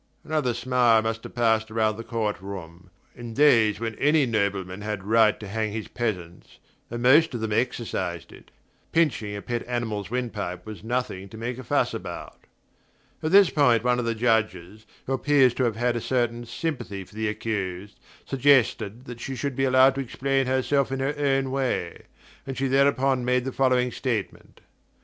Another smile must have passed around the court room: in days when any nobleman had a right to hang his peasants and most of them exercised it pinching a pet animal's wind pipe was nothing to make a fuss about. At this point one of the Judges, who appears to have had a certain sympathy for the accused, suggested that she should be allowed to explain herself in her own way; and she thereupon made the following statement.